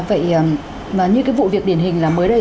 vậy như cái vụ việc điển hình là mới đây